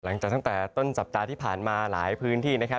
ตั้งแต่ตั้งแต่ต้นสัปดาห์ที่ผ่านมาหลายพื้นที่นะครับ